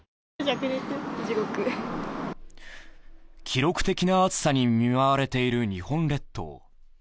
記録的な暑さに見舞われている日本列島。